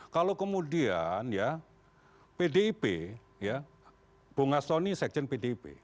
kalau kemudian ya pdip bunga stoni sekjen pdip